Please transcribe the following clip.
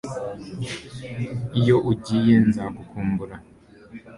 Iyo ugiye nzagukumbura